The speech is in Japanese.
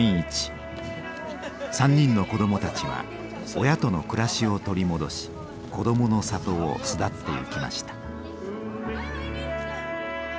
３人の子どもたちは親との暮らしを取り戻し「こどもの里」を巣立っていきました。